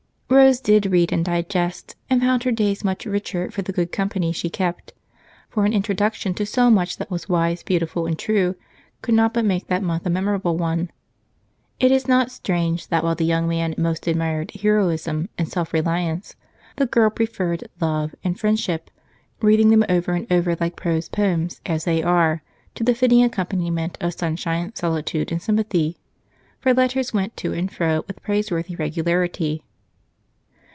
Rose did read and digest, and found her days much richer for the good company she kept, for an introduction to so much that was wise, beautiful, and true could not but make that month a memorable one. It is not strange that while the young man most admired "Heroism" and "Self Reliance," the girl preferred "Love" and "Friendship," reading them over and over like prose poems, as they are, to the fitting accompaniment of sunshine, solitude, and sympathy, for letters went to and fro with praiseworthy regularity.